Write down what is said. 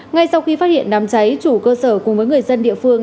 ngay sau khi phát hiện đám cháy chủ cơ sở cùng với người dân địa phương